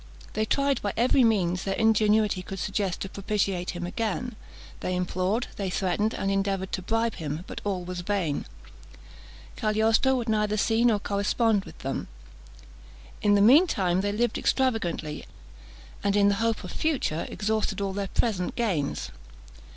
They tried by every means their ingenuity could suggest to propitiate him again. They implored, they threatened, and endeavoured to bribe him; but all was vain. Cagliostro would neither see nor correspond with them. In the mean time they lived extravagantly, and in the hope of future, exhausted all their present gains.